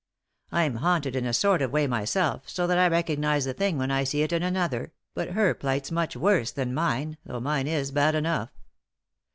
I'm haunted in a sort of way myself, so that I recognise the thing when I see it in another, but her plight's much worse than mine, though mine is bad enough.